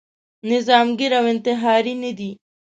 نظاميګر او انتحاري نه دی.